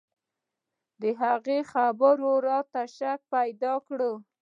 د هغه خبرو راته شک پيدا کړ.